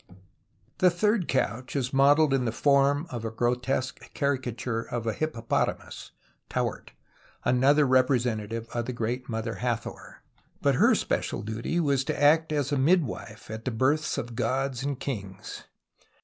The third couch is modelled in the form of a grotesque caricature of a liippopotamus, Taurt, another representative of the Great JNIother Hathor. But her special duty was to act as a midwife at the births of gods and kings.